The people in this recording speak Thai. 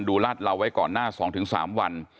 ลาดเหลาไว้ก่อนหน้า๒๓วัน